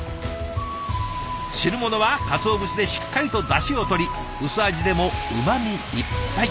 汁物はかつお節でしっかりとダシをとり薄味でもうまみいっぱい。